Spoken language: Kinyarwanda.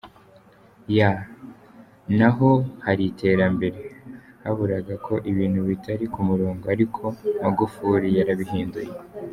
Y: Naho hari iterambere, haburaga ko ibintu bitari ku murongo, ariko Magufuli yarabihinduye.